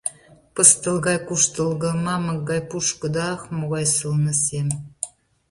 Пыстыл гай куштылго, мамык гай пушкыдо — ах, могай сылне сем!